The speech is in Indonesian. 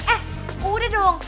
eh udah dong